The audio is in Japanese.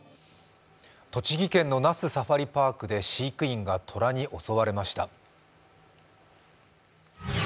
栃木県の那須サファリパークで飼育員が虎に襲われました。